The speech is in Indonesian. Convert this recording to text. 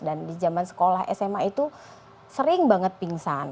dan di zaman sekolah sma itu sering banget pingsan